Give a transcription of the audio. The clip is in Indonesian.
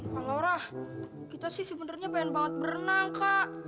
kak laura kita sih sebenernya pengen banget berenang kak